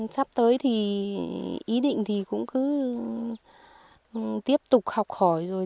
sắp tới thì ý định thì cũng cứ tiếp tục học hỏi rồi